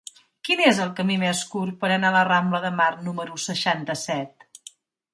Quin és el camí més curt per anar a la rambla de Mar número seixanta-set?